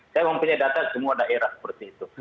saya mempunyai data semua daerah seperti itu